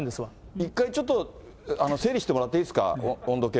１回ちょっと、整理してもらっていいですか。